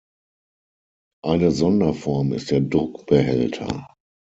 Eine Sonderform ist der Druckbehälter.